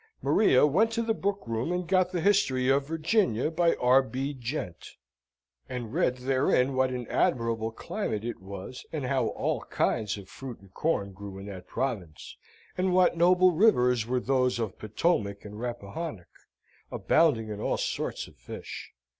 Maria went to the book room and got the History of Virginia, by R. B. Gent and read therein what an admirable climate it was, and how all kinds of fruit and corn grew in that province, and what noble rivers were those of Potomac and Rappahannoc, abounding in all sorts of fish.